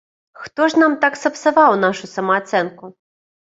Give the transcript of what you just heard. Хто ж нам так сапсаваў нашу самаацэнку?